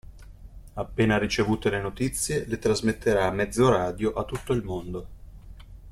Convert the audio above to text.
Appena ricevute le notizie le trasmetterà a mezzo radio a tutto il mondo.